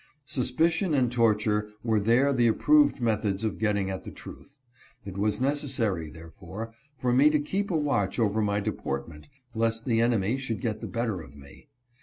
Suspicion and torture were there the approved methods of getting at the truth. It was necessary, therefore, for me to keep a watch over my deportment, lest the enemy should get the better of me.